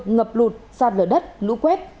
ngập lụt sạt lở đất lũ quét